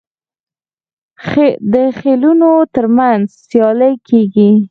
د خیلونو ترمنځ سیالي کیږي.